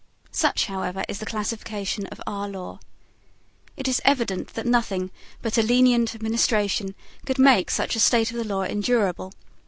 Such, however, is the classification of our law. It is evident that nothing but a lenient administration could make such a state of the law endurable.